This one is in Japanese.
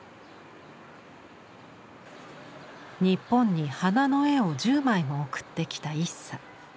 日本に花の絵を１０枚も送ってきたイッサ。